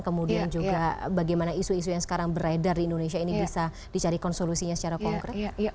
kemudian juga bagaimana isu isu yang sekarang beredar di indonesia ini bisa dicarikan solusinya secara konkret